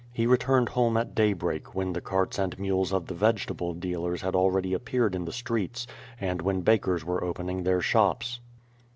He returned home at daybreak, when the carts and mules of tiie vegetable dealers had already appeared in tl>e streets, and when bakers were opening their shops.